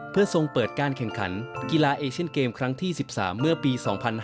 เพื่อทรงเปิดการแข่งขันกีฬาเอเชียนเกมครั้งที่๑๓เมื่อปี๒๕๕๙